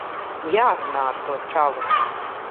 Jārunā ar to čali.